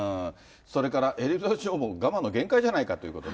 それからエリザベス女王も我慢の限界じゃないかということで。